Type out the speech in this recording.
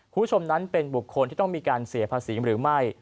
คุณผู้ชมนั้นเป็นบุคคลที่ต้องมีการเสียภาษีหรือไม่